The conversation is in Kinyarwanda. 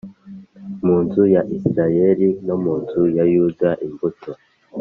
mu nzu ya Isirayeli no mu nzu ya Yuda imbuto